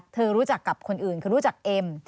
รู้จักกับคนอื่นคือรู้จักเอ็ม